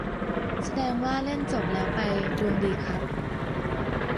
แสดงว่าเล่นจบแล้วไป ดวงดีครับ